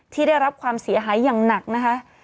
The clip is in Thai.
ได้รับความเสียหายอย่างหนักนะคะ